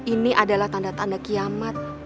ini adalah tanda tanda kiamat